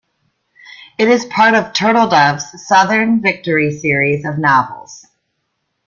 It is part of Turtledove's Southern Victory series of novels.